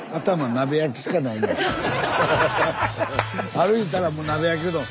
歩いたらもう鍋焼きうどん。